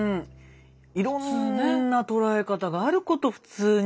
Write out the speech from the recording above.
いろんな捉え方があること普通にも。